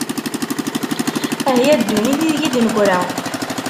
Ah ya ddunit, ideg i d-negra!